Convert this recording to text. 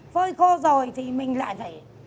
phơi khô rồi thì mình lại phải